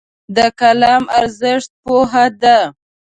د قلم ارزښت پوهه ده.